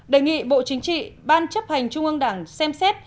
đề nghị bộ chính trị ban chấp hành trung ương đảng xem xét